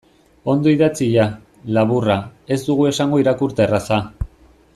Ondo idatzia, laburra, ez dugu esango irakurterraza.